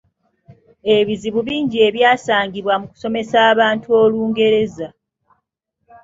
Ebizibu bingi ebyasangibwa mu kusomesa abantu Olungereza.